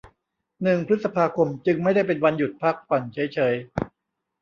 หนึ่งพฤษภาคม จึงไม่ได้เป็นวันหยุดพักผ่อนเฉยเฉย